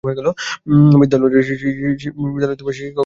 বিদ্যালয়টির শিক্ষক সংকট রয়েছে।